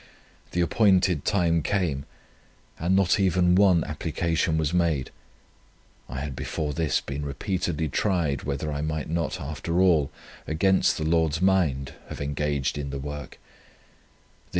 The appointed time came, and not even one application was made. I had before this been repeatedly tried, whether I might not, after all, against the Lord's mind, have engaged in the work.